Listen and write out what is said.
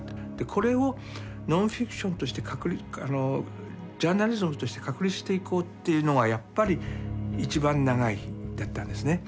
これをノンフィクションとしてジャーナリズムとして確立していこうというのがやっぱり「いちばん長い日」だったんですね。